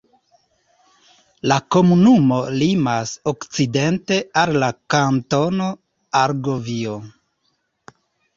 La komunumo limas okcidente al la Kantono Argovio.